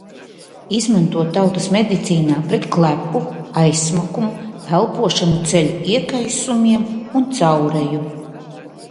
Izmanto tautas medicīnā pret klepu, aizsmakumu, elpošanas ceļu iekaisumiem un caureju.